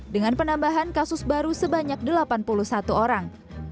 dengan penambahan kasus baru sebanyak delapan puluh satu orang